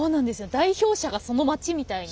代表者がその町みたいに。